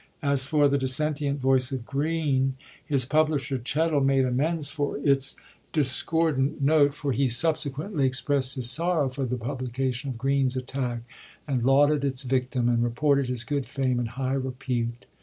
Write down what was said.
As for the dissentient voice of Greene, his publisher, Ohettle, made amends for its discordant 93 REVIEW OF THE FIRST PERIOD note, for he subsequently exprest his sorrow for the publication of Greene's attack and lauded its victim, and reported his good fame and high repute.